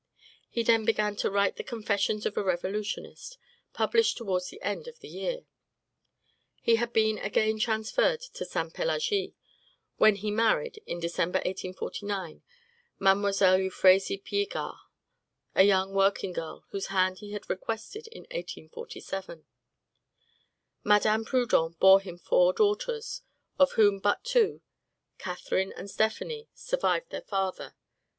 He then began to write the "Confessions of a Revolutionist," published towards the end of the year. He had been again transferred to Sainte Pelagie, when he married, in December, 1849, Mlle. Euphrasie Piegard, a young working girl whose hand he had requested in 1847. Madame Proudhon bore him four daughters, of whom but two, Catherine and Stephanie, survived their father.